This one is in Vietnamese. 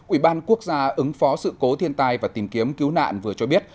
ủy ban quốc gia ứng phó sự cố thiên tai và tìm kiếm cứu nạn vừa cho biết